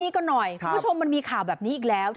นี่ก็หน่อยคุณผู้ชมมันมีข่าวแบบนี้อีกแล้ว